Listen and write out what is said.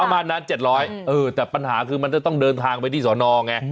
ประมาณนั้น๗๐๐แต่ปัญหาคือมันจะต้องเดินทางไปที่สอนอไง